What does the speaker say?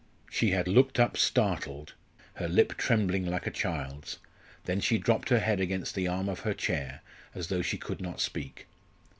She had looked up startled, her lip trembling like a child's. Then she dropped her head against the arm of her chair, as though she could not speak.